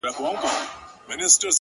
ستا ټولي كيسې لوستې،